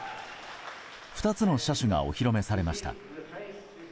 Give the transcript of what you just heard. ２つの車種がお披露目されました。